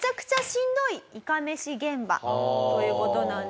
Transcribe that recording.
はあ。という事なんです。